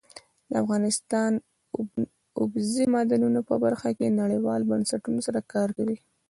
افغانستان د اوبزین معدنونه په برخه کې نړیوالو بنسټونو سره کار کوي.